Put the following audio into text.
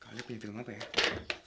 kalian punya film apa ya